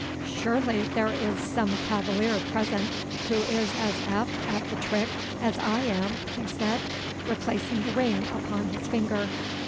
'Surely there is some cavalier present who is as apt at the trick as I am,' he said, replacing the ring upon his finger.